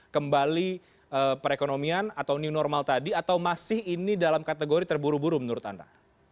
kembali perekonomian atau new normal tadi atau masih ini dalam kategori terburu buru menurut anda